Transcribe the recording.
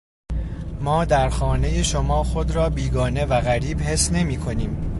ما در خانهٔ شما خود را بیگانه و غریب حس نمیکنیم.